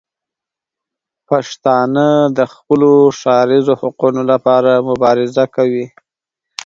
پښتانه د خپلو ښاریزو حقونو لپاره مبارزه کوي.